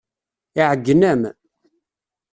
Iɛeyyen-am.